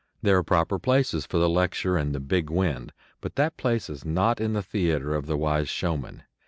There are proper places for the lecture and the "big wind," but that place is not in the theatre of the wise showman.